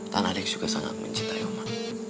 tan alex juga sangat mencintai oma